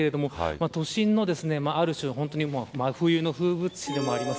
都心の、ある種真冬の風物詩でもあります。